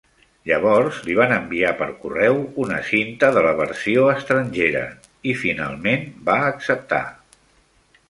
Llavors li van enviar per correu una cinta de la versió estrangera i finalment va acceptar.